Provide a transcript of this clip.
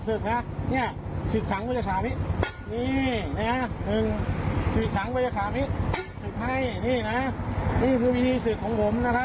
เนี่ยฝากภาคที่วนนะครับ